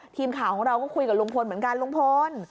ทีมข่าวของเราก็คุยกับลุงพลเหมือนกันลุงพล